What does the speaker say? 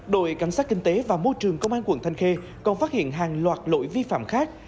đội cảnh sát kinh tế và môi trường công an quận thanh khê còn phát hiện hàng loạt lỗi vi phạm khác